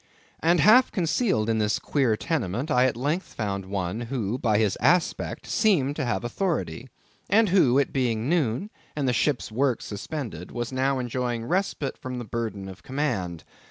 And half concealed in this queer tenement, I at length found one who by his aspect seemed to have authority; and who, it being noon, and the ship's work suspended, was now enjoying respite from the burden of command.